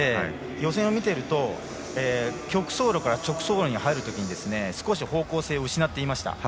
予選を見ていると曲走路から直走路に入るときに少し方向性を失っていました。